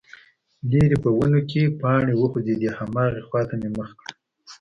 ليرې په ونو کې پاڼې وخوځېدې، هماغې خواته مې مخه کړه،